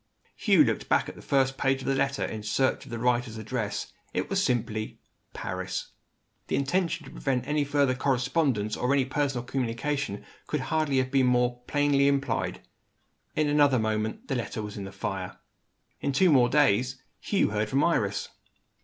Hugh looked back at the first page of the letter, in search of the writer's address. It was simply, "Paris." The intention to prevent any further correspondence, or any personal communication, could hardly have been more plainly implied. In another moment, the letter was in the fire. In two days more, Hugh heard from Iris.